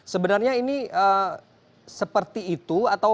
sebenarnya ini seperti itu